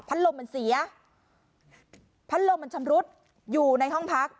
พันธุ์ลมมันเสียพันธุ์ลมมันชำรุดอยู่ในห้องพัก